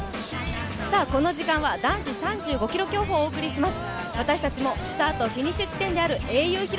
この時間は男子３５ｋｍ競歩をお送りします。